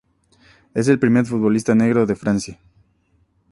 Es el primer futbolista negro de Francia